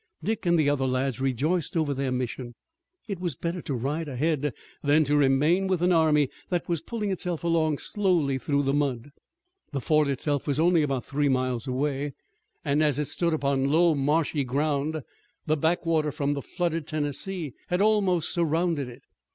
Dick and the other lads rejoiced over their mission. It was better to ride ahead than to remain with an army that was pulling itself along slowly through the mud. The fort itself was only about three miles away, and as it stood upon low, marshy ground, the backwater from the flooded Tennessee had almost surrounded it.